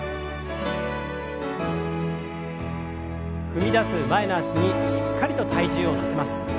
踏み出す前の脚にしっかりと体重を乗せます。